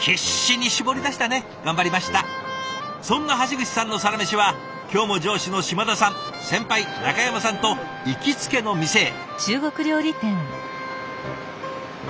そんな橋口さんのサラメシは今日も上司の島田さん先輩中山さんと行きつけの店へ。